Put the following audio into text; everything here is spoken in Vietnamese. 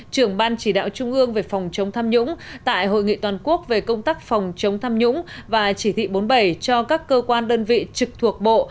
trưởng ban chỉ đạo trung ương về phòng chống tham nhũng tại hội nghị toàn quốc về công tác phòng chống tham nhũng và chỉ thị bốn mươi bảy cho các cơ quan đơn vị trực thuộc bộ